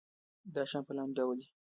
دا شیان په لاندې ډول دي.